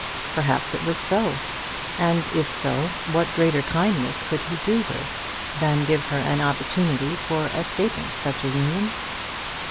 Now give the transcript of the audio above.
Perhaps it was so; and if so, what greater kindness could he do her than give her an opportunity for escaping such a union?